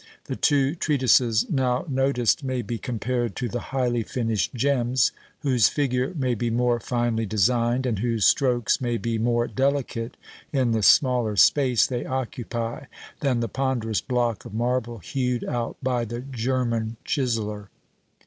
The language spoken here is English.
The two treatises now noticed may be compared to the highly finished gems, whose figure may be more finely designed, and whose strokes may be more delicate in the smaller space they occupy than the ponderous block of marble hewed out by the German chiseller.